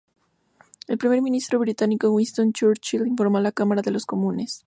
El Primer Ministro británico Winston Churchill informó a la Cámara de los Comunes.